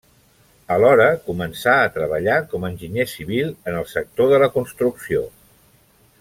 Alhora, començà a treballar com a enginyer civil en el sector de la construcció.